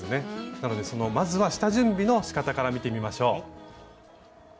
なのでそのまずは下準備のしかたから見てみましょう。